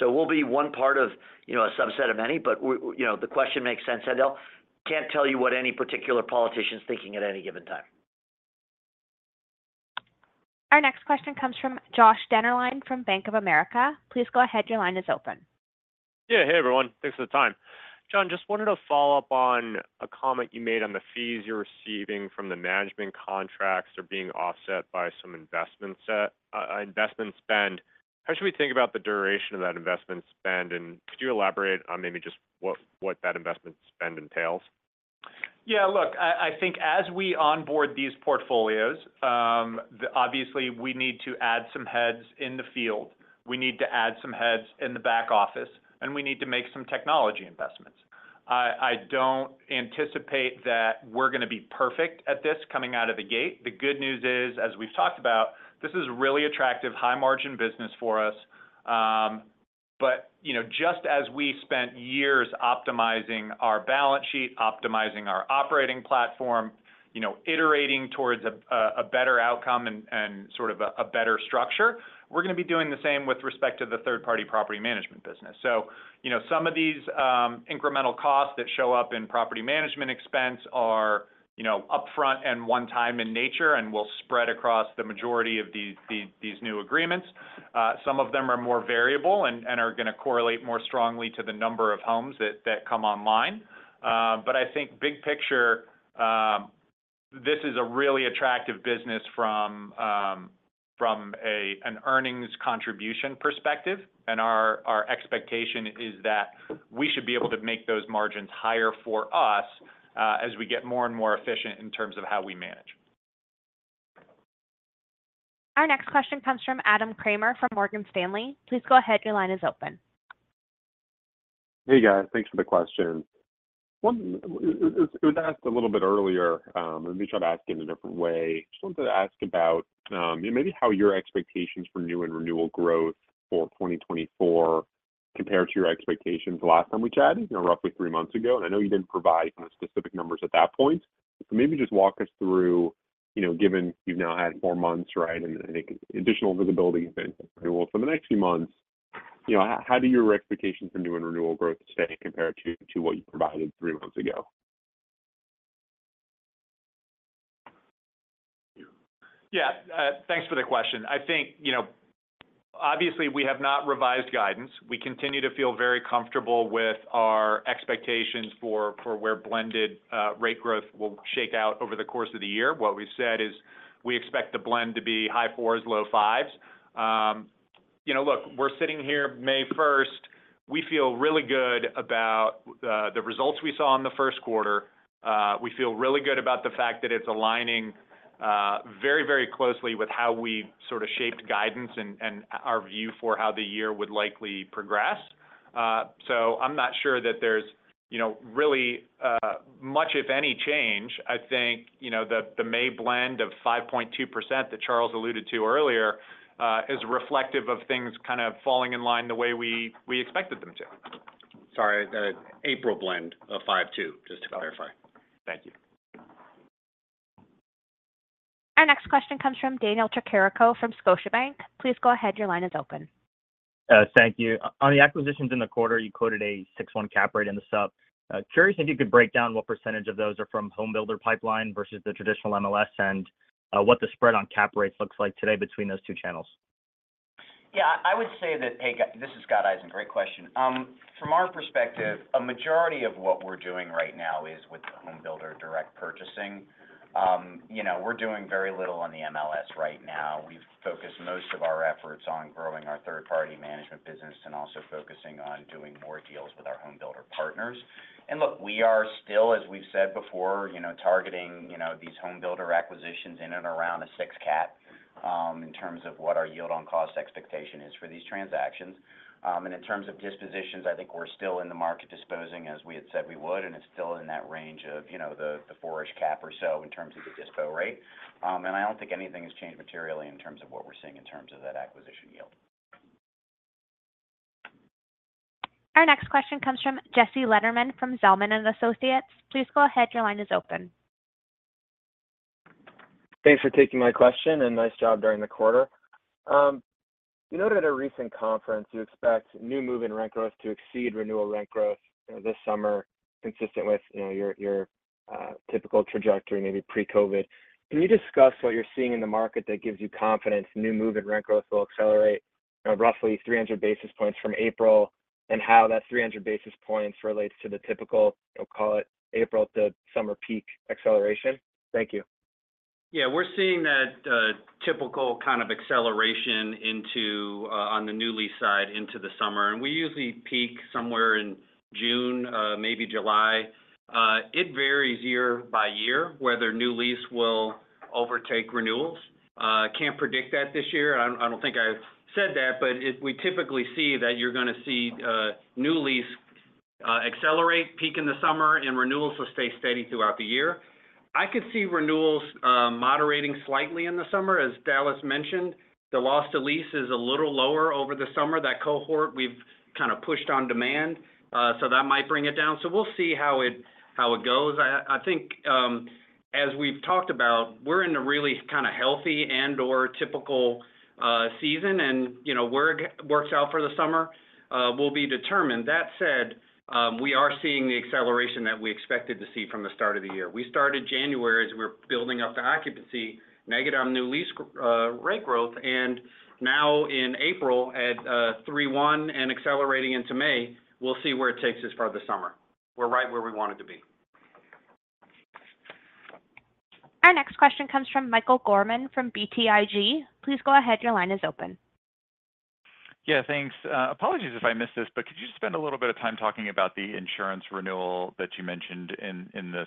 So we'll be one part of, you know, a subset of many, but we... You know, the question makes sense, Haendel. Can't tell you what any particular politician is thinking at any given time. Our next question comes from Josh Dennerline from Bank of America. Please go ahead. Your line is open. Yeah. Hey, everyone. Thanks for the time. John, just wanted to follow up on a comment you made on the fees you're receiving from the management contracts are being offset by some investment set, investment spend. How should we think about the duration of that investment spend? And could you elaborate on maybe just what that investment spend entails? Yeah, look, I think as we onboard these portfolios, obviously, we need to add some heads in the field, we need to add some heads in the back office, and we need to make some technology investments. I don't anticipate that we're going to be perfect at this coming out of the gate. The good news is, as we've talked about, this is really attractive, high-margin business for us. But, you know, just as we spent years optimizing our balance sheet, optimizing our operating platform, you know, iterating towards a better outcome and sort of a better structure, we're going to be doing the same with respect to the third-party property management business. So, you know, some of these incremental costs that show up in property management expense are, you know, upfront and one-time in nature and will spread across the majority of these new agreements. Some of them are more variable and are going to correlate more strongly to the number of homes that come online. But I think big picture, this is a really attractive business from an earnings contribution perspective, and our expectation is that we should be able to make those margins higher for us as we get more and more efficient in terms of how we manage. Our next question comes from Adam Kramer from Morgan Stanley. Please go ahead. Your line is open. Hey, guys, thanks for the question. It was asked a little bit earlier. Let me try to ask it in a different way. Just wanted to ask about maybe how your expectations for new and renewal growth for 2024 compare to your expectations the last time we chatted, you know, roughly three months ago. I know you didn't provide specific numbers at that point. Maybe just walk us through, you know, given you've now had four months, right, and additional visibility into renewal for the next few months, you know, how do your expectations for new and renewal growth today compare to what you provided three months ago? Yeah, thanks for the question. I think, you know, obviously, we have not revised guidance. We continue to feel very comfortable with our expectations for where blended rate growth will shake out over the course of the year. What we've said is we expect the blend to be high 4s, low 5s. You know, look, we're sitting here, May 1st, we feel really good about the results we saw in the Q1. We feel really good about the fact that it's aligning very, very closely with how we sort of shaped guidance and our view for how the year would likely progress. So I'm not sure that there's, you know, really much, if any, change. I think, you know, the May blend of 5.2% that Charles alluded to earlier is reflective of things kind of falling in line the way we expected them to. Sorry, the April blend of 5.2%, just to clarify. Thank you. Our next question comes from Daniel Tricarico from Scotiabank. Please go ahead. Your line is open. Thank you. On the acquisitions in the quarter, you quoted a 6.1 cap rate in the sup. Curious if you could break down what percentage of those are from home builder pipeline versus the traditional MLS and what the spread on cap rates looks like today between those two channels. Yeah, I would say that... Hey, guy, this is Scott Eisen. Great question. From our perspective, a majority of what we're doing right now is with the home builder direct purchasing. You know, we're doing very little on the MLS right now. We've focused most of our efforts on growing our third-party management business and also focusing on doing more deals with our home builder partners. And look, we are still, as we've said before, you know, targeting, you know, these home builder acquisitions in and around a six cap, in terms of what our yield on cost expectation is for these transactions. And in terms of dispositions, I think we're still in the market disposing, as we had said we would, and it's still in that range of, you know, the 4-ish cap or so in terms of the dispo rate. I don't think anything has changed materially in terms of what we're seeing in terms of that acquisition yield. Our next question comes from Jesse Lederman from Zelman & Associates. Please go ahead. Your line is open. Thanks for taking my question and nice job during the quarter. You noted at a recent conference you expect new move-in rent growth to exceed renewal rent growth this summer, consistent with, you know, your, your, typical trajectory, maybe pre-COVID. Can you discuss what you're seeing in the market that gives you confidence new move-in rent growth will accelerate, roughly 300 basis points from April, and how that 300 basis points relates to the typical, we'll call it April to summer peak acceleration? Thank you. Yeah, we're seeing that, typical kind of acceleration into, on the new lease side, into the summer, and we usually peak somewhere in June, maybe July. It varies year by year, whether new lease will overtake renewals. Can't predict that this year. I don't, I don't think I said that, but it, we typically see that you're gonna see, new lease, accelerate, peak in the summer, and renewals will stay steady throughout the year. I could see renewals, moderating slightly in the summer. As Dallas mentioned, the loss to lease is a little lower over the summer. That cohort, we've kind of pushed on demand, so that might bring it down. So we'll see how it, how it goes. I think, as we've talked about, we're in a really kind of healthy and/or typical season, and, you know, where it works out for the summer will be determined. That said, we are seeing the acceleration that we expected to see from the start of the year. We started January as we're building up the occupancy, negative on new lease rent growth, and now in April, at 3.1 and accelerating into May, we'll see where it takes us for the summer. We're right where we wanted to be. Our next question comes from Michael Gorman from BTIG. Please go ahead. Your line is open. Yeah, thanks. Apologies if I missed this, but could you just spend a little bit of time talking about the insurance renewal that you mentioned in, in the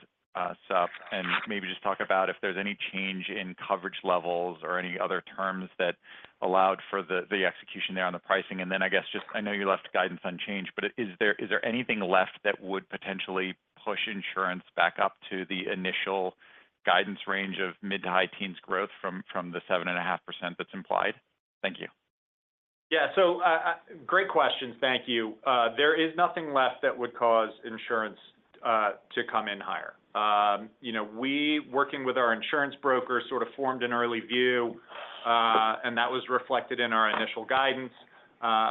supp, and maybe just talk about if there's any change in coverage levels or any other terms that allowed for the execution there on the pricing. And then, I guess, just... I know you left guidance unchanged, but is there anything left that would potentially push insurance back up to the initial guidance range of mid- to high-teens growth from the 7.5% that's implied? Thank you. Yeah. So, great questions. Thank you. There is nothing left that would cause insurance to come in higher. You know, we, working with our insurance broker, sort of formed an early view, and that was reflected in our initial guidance,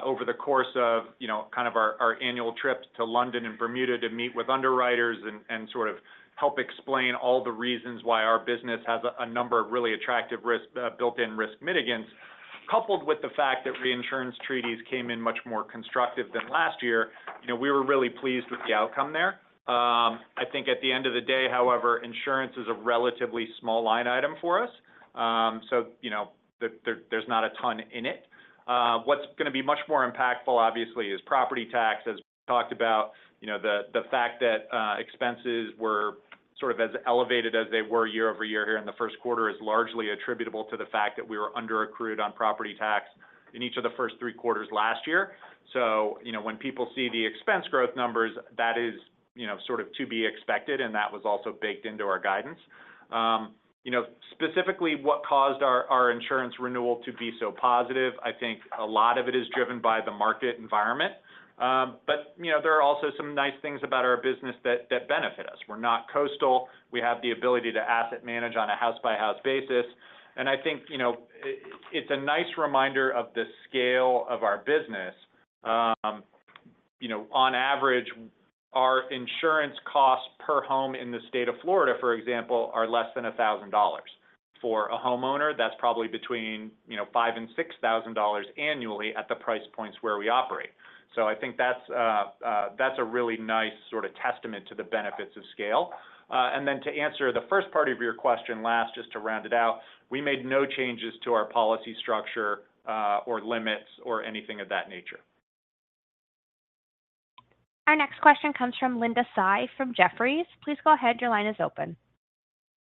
over the course of, you know, kind of our, our annual trips to London and Bermuda to meet with underwriters and, and sort of help explain all the reasons why our business has a, a number of really attractive risk, built-in risk mitigants, coupled with the fact that reinsurance treaties came in much more constructive than last year. You know, we were really pleased with the outcome there. I think at the end of the day, however, insurance is a relatively small line item for us. So, you know, there, there's not a ton in it. What's gonna be much more impactful, obviously, is property tax. As we talked about, you know, the fact that expenses were sort of as elevated as they were year-over-year here in the Q1 is largely attributable to the fact that we were underaccrued on property tax in each of the first three quarters last year. So, you know, when people see the expense growth numbers, that is, you know, sort of to be expected, and that was also baked into our guidance. You know, specifically what caused our insurance renewal to be so positive, I think a lot of it is driven by the market environment. But, you know, there are also some nice things about our business that benefit us. We're not coastal. We have the ability to asset manage on a house-by-house basis, and I think, you know, it, it's a nice reminder of the scale of our business. You know, on average, our insurance costs per home in the state of Florida, for example, are less than $1,000. For a homeowner, that's probably between, you know, $5,000 and $6,000 annually at the price points where we operate. So I think that's, that's a really nice sort of testament to the benefits of scale. And then to answer the first part of your question last, just to round it out, we made no changes to our policy structure, or limits or anything of that nature. Our next question comes from Linda Tsai from Jefferies. Please go ahead. Your line is open.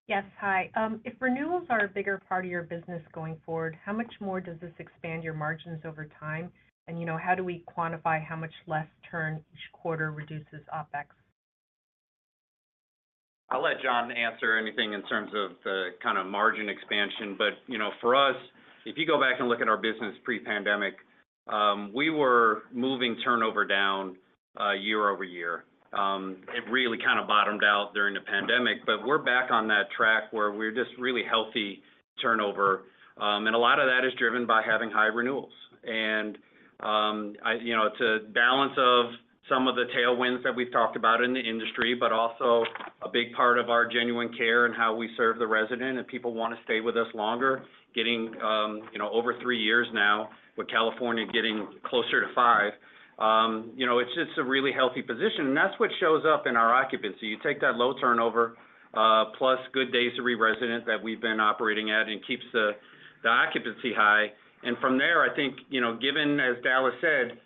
Yes. Hi. If renewals are a bigger part of your business going forward, how much more does this expand your margins over time? You know, how do we quantify how much less turn each quarter reduces OpEx? I'll let John answer anything in terms of the kind of margin expansion, but, you know, for us, if you go back and look at our business pre-pandemic, we were moving turnover down, year-over-year. It really kind of bottomed out during the pandemic, but we're back on that track where we're just really healthy turnover. And a lot of that is driven by having high renewals. You know, it's a balance of some of the tailwinds that we've talked about in the industry, but also a big part of our Genuine Care and how we serve the resident, and people want to stay with us longer, getting, you know, over three years now, with California getting closer to five. You know, it's just a really healthy position, and that's what shows up in our occupancy. You take that low turnover, plus good days to re-rent that we've been operating at, and it keeps the occupancy high. And from there, I think, you know, given, as Dallas said,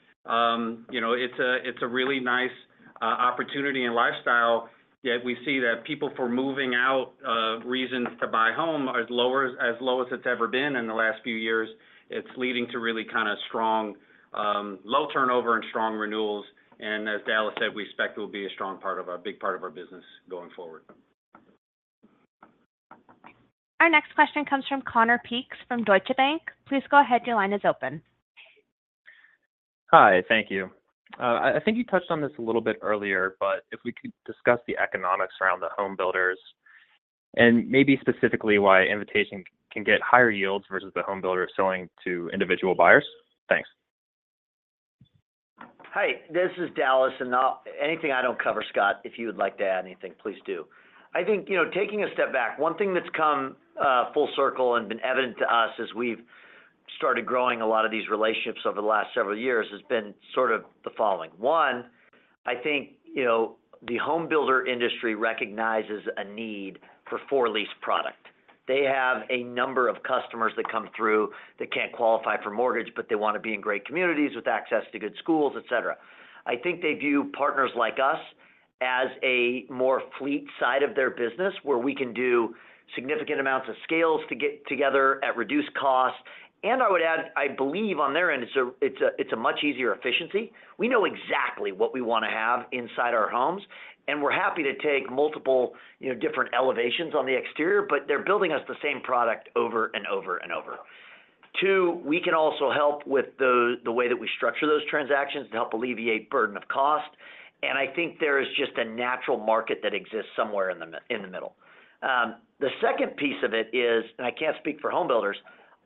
you know, it's a really nice opportunity and lifestyle, yet we see that people moving out reasons to buy home are as low as it's ever been in the last few years. It's leading to really kind of strong low turnover and strong renewals, and as Dallas said, we expect it will be a big part of our business going forward. ... Our next question comes from Connor Peaks from Deutsche Bank. Please go ahead. Your line is open. Hi, thank you. I think you touched on this a little bit earlier, but if we could discuss the economics around the home builders, and maybe specifically why Invitation can get higher yields versus the home builder selling to individual buyers? Thanks. Hi, this is Dallas, and I'll anything I don't cover, Scott, if you would like to add anything, please do. I think, you know, taking a step back, one thing that's come full circle and been evident to us as we've started growing a lot of these relationships over the last several years, has been sort of the following: one, I think, you know, the home builder industry recognizes a need for for-lease product. They have a number of customers that come through that can't qualify for mortgage, but they wanna be in great communities with access to good schools, et cetera. I think they view partners like us as a more fleet side of their business, where we can do significant amounts of scales to get together at reduced costs. And I would add, I believe on their end, it's a, it's a, it's a much easier efficiency. We know exactly what we wanna have inside our homes, and we're happy to take multiple, you know, different elevations on the exterior, but they're building us the same product over and over and over. Two, we can also help with the way that we structure those transactions to help alleviate burden of cost, and I think there is just a natural market that exists somewhere in the middle. The second piece of it is, and I can't speak for home builders,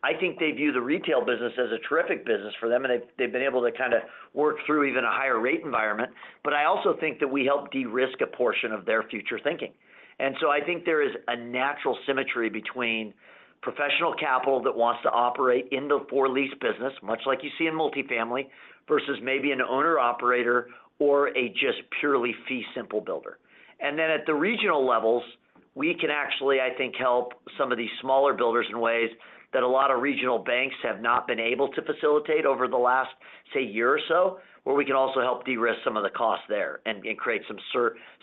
I think they view the retail business as a terrific business for them, and they've been able to kinda work through even a higher rate environment. But I also think that we help de-risk a portion of their future thinking. And so I think there is a natural symmetry between professional capital that wants to operate in the for-lease business, much like you see in multifamily, versus maybe an owner-operator or a just purely fee-simple builder. And then at the regional levels, we can actually, I think, help some of these smaller builders in ways that a lot of regional banks have not been able to facilitate over the last, say, year or so, where we can also help de-risk some of the costs there and create some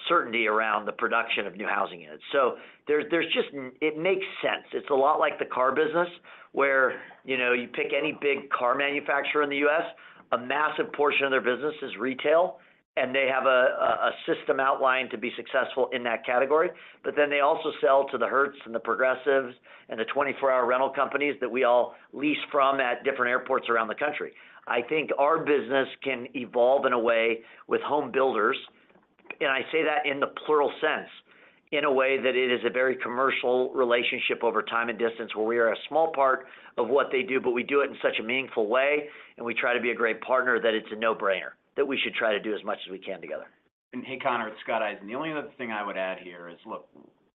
certainty around the production of new housing units. So there, there's just... It makes sense. It's a lot like the car business, where, you know, you pick any big car manufacturer in the U.S., a massive portion of their business is retail, and they have a system outlined to be successful in that category. But then they also sell to the Hertz and the Progressive and the 24-hour rental companies that we all lease from at different airports around the country. I think our business can evolve in a way with home builders, and I say that in the plural sense, in a way that it is a very commercial relationship over time and distance, where we are a small part of what they do, but we do it in such a meaningful way, and we try to be a great partner, that it's a no-brainer, that we should try to do as much as we can together. And hey, Connor, it's Scott Eisen. The only other thing I would add here is, look,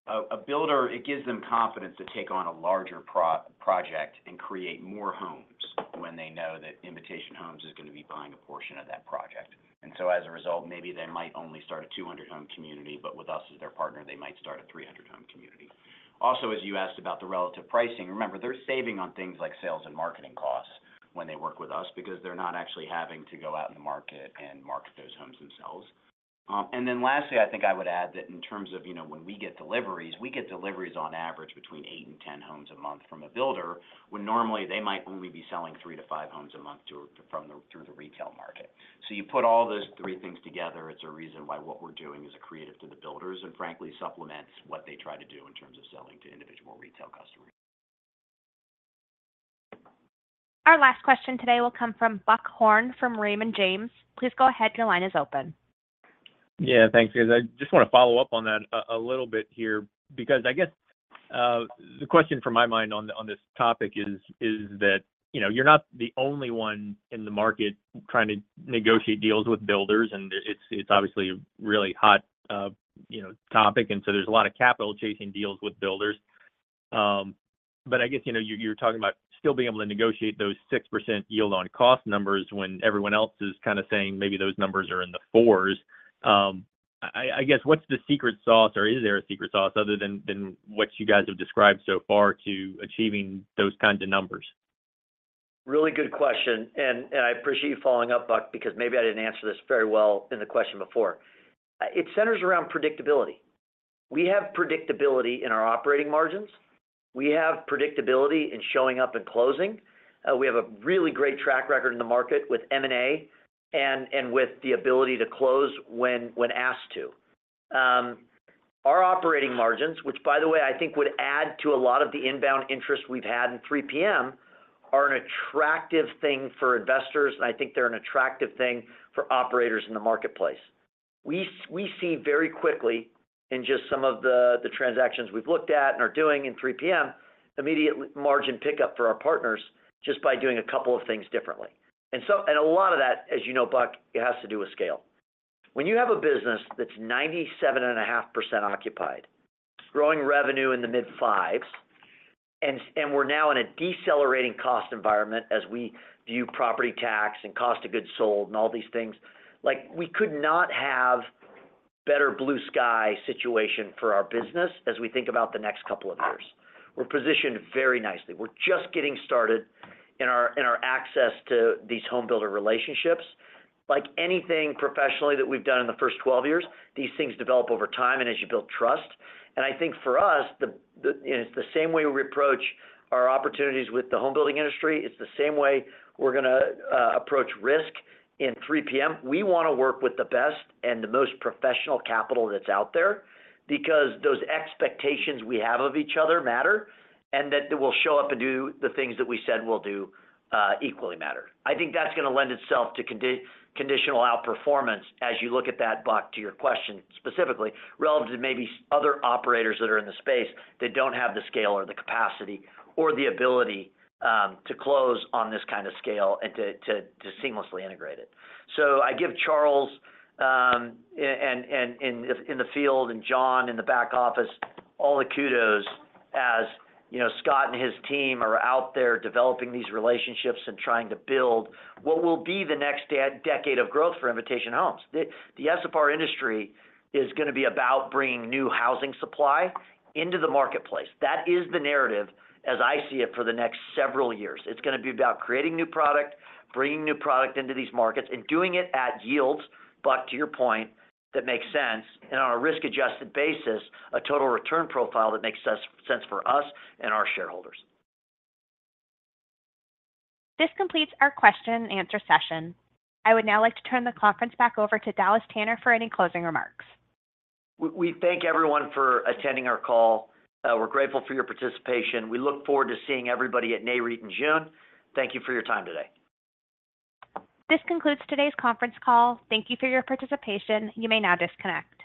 a builder, it gives them confidence to take on a larger project and create more homes when they know that Invitation Homes is gonna be buying a portion of that project. And so, as a result, maybe they might only start a 200-home community, but with us as their partner, they might start a 300-home community. Also, as you asked about the relative pricing, remember, they're saving on things like sales and marketing costs when they work with us because they're not actually having to go out in the market and market those homes themselves. And then lastly, I think I would add that in terms of, you know, when we get deliveries, we get deliveries on average between 8 and 10 homes a month from a builder, when normally they might only be selling 3-5 homes a month through the retail market. So you put all those three things together, it's a reason why what we're doing is accretive to the builders, and frankly, supplements what they try to do in terms of selling to individual retail customers. Our last question today will come from Buck Horne, from Raymond James. Please go ahead. Your line is open. Yeah, thanks. Because I just wanna follow up on that a little bit here, because I guess, the question from my mind on this topic is, is that, you know, you're not the only one in the market trying to negotiate deals with builders, and it's obviously a really hot, you know, topic, and so there's a lot of capital chasing deals with builders. But I guess, you know, you're talking about still being able to negotiate those 6% yield on cost numbers when everyone else is kind of saying maybe those numbers are in the 4s. I guess, what's the secret sauce, or is there a secret sauce other than what you guys have described so far to achieving those kinds of numbers? Really good question, and I appreciate you following up, Buck, because maybe I didn't answer this very well in the question before. It centers around predictability. We have predictability in our operating margins. We have predictability in showing up and closing. We have a really great track record in the market with M&A and with the ability to close when asked to. Our operating margins, which, by the way, I think would add to a lot of the inbound interest we've had in 3PM, are an attractive thing for investors, and I think they're an attractive thing for operators in the marketplace. We see very quickly in just some of the transactions we've looked at and are doing in 3PM, immediate margin pickup for our partners just by doing a couple of things differently. And a lot of that, as you know, Buck, it has to do with scale. When you have a business that's 97.5% occupied, growing revenue in the mid-5s, and we're now in a decelerating cost environment as we view property tax and cost of goods sold and all these things, like, we could not have better blue sky situation for our business as we think about the next couple of years. We're positioned very nicely. We're just getting started in our, in our access to these home builder relationships. Like anything professionally that we've done in the first 12 years, these things develop over time and as you build trust. And I think for us, you know, it's the same way we approach our opportunities with the home building industry, it's the same way we're gonna approach risk in 3PM. We wanna work with the best and the most professional capital that's out there, because those expectations we have of each other matter, and that we'll show up and do the things that we said we'll do equally matter. I think that's gonna lend itself to conditional outperformance as you look at that, Buck, to your question, specifically, relative to maybe other operators that are in the space that don't have the scale or the capacity or the ability to close on this kind of scale and to seamlessly integrate it. So I give Charles and in the field, and John in the back office, all the kudos as you know, Scott and his team are out there developing these relationships and trying to build what will be the next decade of growth for Invitation Homes. The SFR industry is gonna be about bringing new housing supply into the marketplace. That is the narrative as I see it for the next several years. It's gonna be about creating new product, bringing new product into these markets, and doing it at yields, Buck, to your point, that makes sense, and on a risk-adjusted basis, a total return profile that makes sense for us and our shareholders. This completes our question and answer session. I would now like to turn the conference back over to Dallas Tanner for any closing remarks. We thank everyone for attending our call. We're grateful for your participation. We look forward to seeing everybody at NAREIT in June. Thank you for your time today. This concludes today's conference call. Thank you for your participation. You may now disconnect.